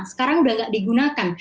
sekarang sudah tidak digunakan